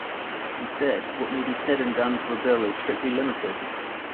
Instead, what may be said and done to a bill is strictly limited.